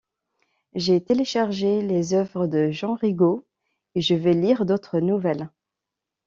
J’ai téléchargé les œuvres de Jean Rigaud et je vais lire d’autres nouvelles.